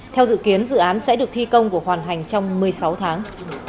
theo dự kiến dự án sẽ được thi công và hoàn thành trong một mươi sáu tháng